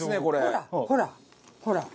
ほらほらほら。